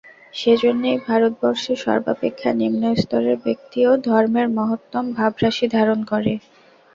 সেইজন্যই ভারতবর্ষে সর্বাপেক্ষা নিম্নস্তরের ব্যক্তিও ধর্মের মহত্তম ভাবরাশি ধারণ করে।